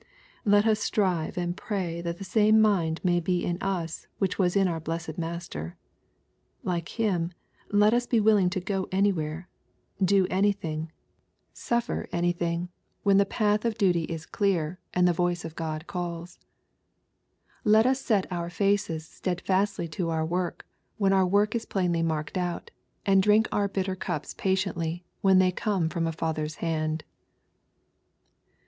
Let us strive and pray that the same mind may be in us which was in our blessed Master. Like Him, let ua be willing to go anywhere, do anything, suffer anything. LUEE^ CHAP. IX. 338 when the path of duty is clear, and the voice of God calls. Let us set our faces steadfastly to our work, when our work is plainly marked out, and drink our bittei cups patiently, when they come from a Father's hand.